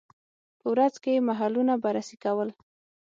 په ورځ کې یې محلونه بررسي کول.